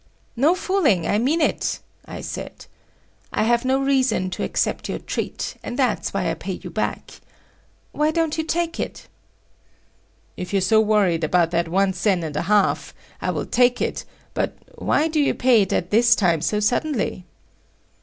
"No fooling; I mean it," I said. "I have no reason to accept your treat, and that's why I pay you back. Why don't you take it?" "If you're so worried about that one sen and a half, I will take it, but why do you pay it at this time so suddenly?"